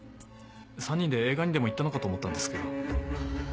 ３人で映画にでも行ったのかと思ったんですけど。